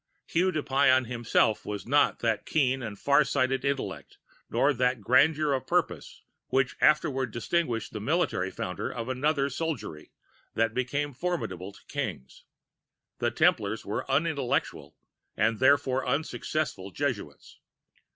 ] "Hugues de Payens himself had not that keen and far sighted intellect nor that grandeur of purpose which afterward distinguished the military founder of another soldiery that became formidable to kings. The Templars were unintelligent and therefore unsuccessful Jesuits.